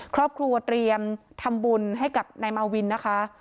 ครอบครัวเตรียมทำบุญให้กับนายมาวินนะคะ